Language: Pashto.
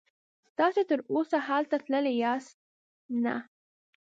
تاسې تراوسه هلته تللي یاست؟ نه.